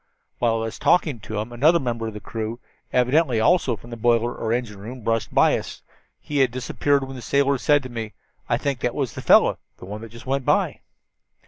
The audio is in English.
"While I was talking to him another member of the crew, evidently also from the boiler or engine room, brushed by us. He had disappeared when the sailor said to me, 'I think that was the fellow the one that just went by.'